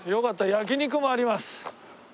焼き肉もあります。